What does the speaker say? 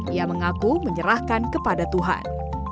ia mengaku menyerahkan kepada tuhan